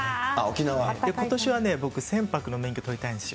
ことしは僕、船舶の免許を取りたいんですよ。